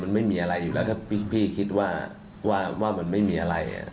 มันไม่มีอะไรอยู่แล้วถ้าพี่คิดว่ามันไม่มีอะไร